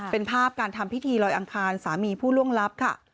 เป็นภาพการทำพิธีลอยอังคารสามีผู้ล่วงลับค่ะ